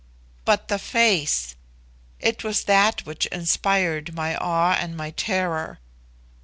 But the face! it was that which inspired my awe and my terror.